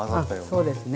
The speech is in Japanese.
そうですね。